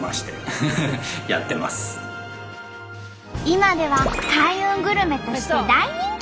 今では開運グルメとして大人気に。